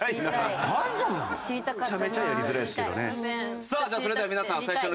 めちゃめちゃやりづらいですけどね。